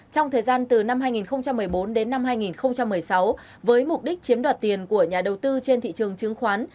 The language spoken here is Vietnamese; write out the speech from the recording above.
trong thời gian từ năm hai nghìn một mươi bốn đến năm hai nghìn một mươi sáu với mục đích chiếm đoạt tiền của nhà đầu tư trên thị trường chứng khoán